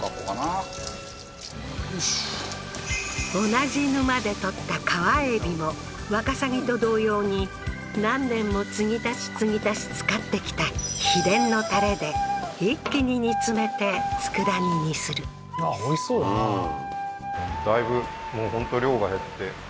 同じ沼で獲った川エビもワカサギと同様に何年も継ぎ足し継ぎ足し使ってきた秘伝のタレで一気に煮詰めて佃煮にするおいしそうだなうわ